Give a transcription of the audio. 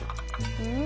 うん？